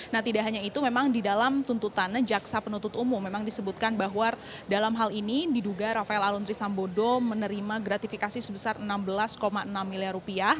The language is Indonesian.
nah tidak hanya itu memang di dalam tuntutan jaksa penuntut umum memang disebutkan bahwa dalam hal ini diduga rafael aluntri sambodo menerima gratifikasi sebesar enam belas enam miliar rupiah